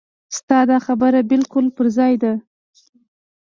ستا دا خبره بالکل پر ځای ده.